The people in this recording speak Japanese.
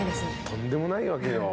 とんでもないわけよ